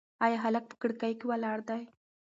ایا هلک په کړکۍ کې ولاړ دی؟